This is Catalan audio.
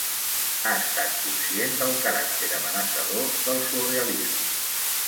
Ha estat conscient del caràcter amenaçador del surrealisme.